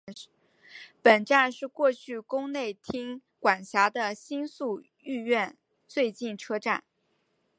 本站是过去宫内厅管辖的新宿御苑最近车站。